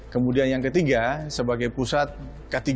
kemudian yang ketiga sebagai pusat k tiga